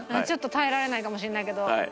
耐えられないかもしれないけどはい。